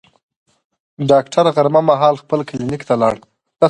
ډاکټر غرمه مهال خپل کلینیک ته لاړ.